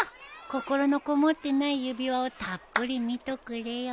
心のこもってない指輪をたっぷり見とくれよ。